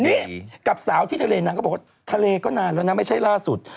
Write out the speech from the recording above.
นี่กับสาวที่ทะเลนางก็บอกว่าทะเลก็นานแล้วนะไม่ใช่ล่าสุด